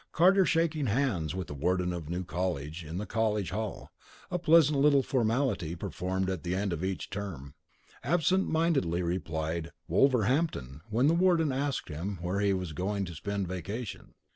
Carter, shaking hands with the warden of New College in the college hall (a pleasant little formality performed at the end of each term) absent mindedly replied "Wolverhampton" when the warden asked him where he was going to spend the vacation.